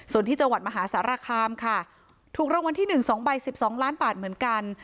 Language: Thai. ส่วนที่จังหวัดมหาสารคามค่ะถูกรางวัลที่๑๒ใบ๑๒ล้านบาทเหมือนกัน